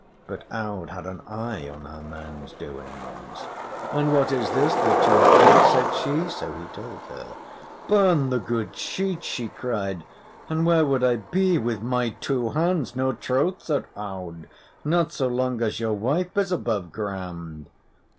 But Aud had an eye on her man's doings. "And what is this that you are at?" said she. So he told her. "Burn the good sheets!" she cried. "And where would I be with my two hands? No, troth," said Aud, "not so long as your wife is above ground!"